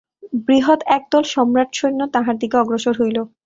বৃহৎ একদল সম্রাট-সৈন্য তাঁহার দিকে অগ্রসর হইল।